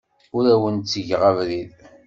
Ur awen-ttgeɣ abrid.